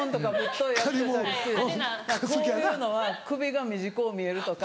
こういうのは首が短う見えるとか。